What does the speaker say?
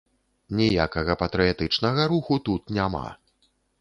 Ніякага патрыятычнага руху тут няма.